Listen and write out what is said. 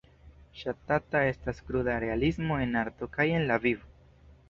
Ŝatata estas kruda realismo, en arto kaj en la vivo.